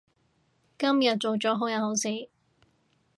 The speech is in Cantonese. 今日做咗好人好事